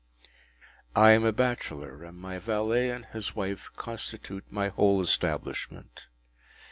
I am a bachelor, and my valet and his wife constitute my whole establishment.